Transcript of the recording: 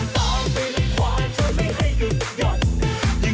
จู้ว่าเธอมาที่ตรงนี้